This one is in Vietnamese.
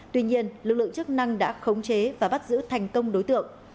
tuy nhiên lực lượng chức năng đã khống chế và bắt giữ thành công đối tượng